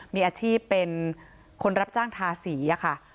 มีอาชีพเป็นคนรับจ้างทาสีค่ะ